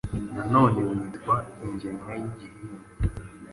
nanone yitwa ingemwe y igihingwa